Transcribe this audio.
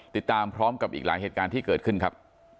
ติดตามพร้อมกับอีกหลายเหตุการณ์ที่เกิดขึ้นครับ